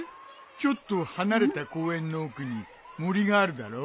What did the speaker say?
ちょっと離れた公園の奥に森があるだろ？